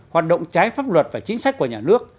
hoạt động trái pháp luật và chính sách của nhà nước